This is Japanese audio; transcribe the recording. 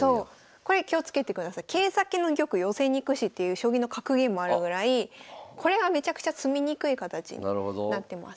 これ気をつけてください。っていう将棋の格言もあるぐらいこれはめちゃくちゃ詰みにくい形になってます。